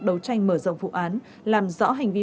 đấu tranh mở rộng vụ án làm rõ hành vi